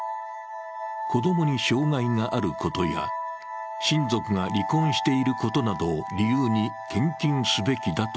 子供に障害があることや親族が離婚していることなどを理由に献金すべきだと